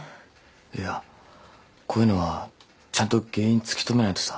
いやこういうのはちゃんと原因突き止めないとさ。